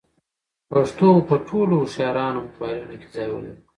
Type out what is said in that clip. پښتو به په ټولو هوښیارانو موبایلونو کې ځای ولري.